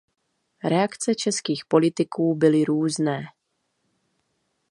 Reakce českých politiků byly různé.